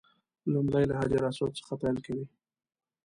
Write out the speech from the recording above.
لومړی له حجر اسود څخه پیل کوي.